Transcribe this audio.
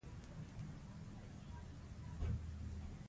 جګړه پای ته رسېدلې وه.